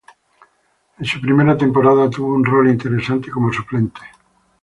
En su primera temporada tuvo un rol interesante como suplente.